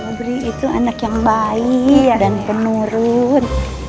sobri itu anak yang baik dan penurun